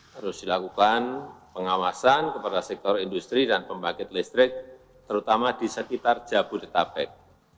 terus dilakukan pengawasan kepada sektor industri dan pembangkit listrik terutama di sekitar jabodetabek